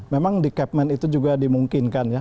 memang di capman itu juga dimungkinkan ya